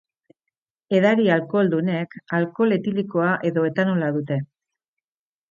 Edari alkoholdunek alkohol etilikoa edo etanola dute.